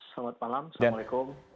selamat malam assalamualaikum